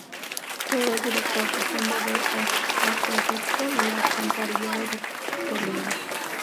Fue director del Fondo de Acueducto y Alcantarillado del Tolima.